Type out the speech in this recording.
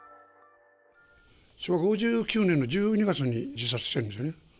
昭和５９年の１２月に自殺してるんですよね。